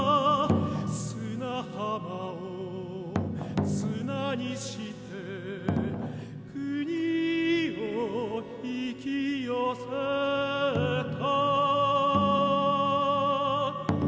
「砂浜を綱にして国を引き寄せた」